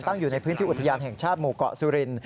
อยู่ในพื้นที่อุทยานแห่งชาติหมู่เกาะสุริน